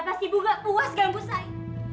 ada apa sih bu gak puas ganggu saya